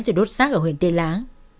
chị đốt xác ở huyện tiên lãng